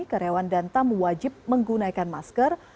karyawan dan tamu wajib menggunakan masker